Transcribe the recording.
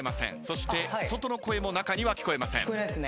そして外の声も中には聞こえません。